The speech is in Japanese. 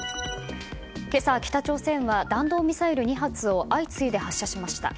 今朝、北朝鮮は弾道ミサイル２発を相次いで発射しました。